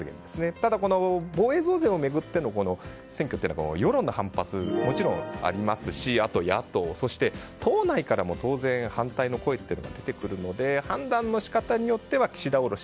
ただ、防衛増税を巡っての選挙というのは世論の反発が勿論ありますし野党、そして党内からも当然反対の声は出てくるので判断の仕方によっては岸田降ろし。